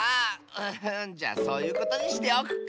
うんじゃあそういうことにしておくか。